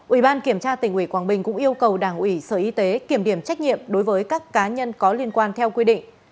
ủy ban kiểm tra tỉnh ủy quảng bình cũng yêu cầu đảng ủy sở y tế kiểm điểm trách nhiệm đối với các cá nhân có liên quan theo quy định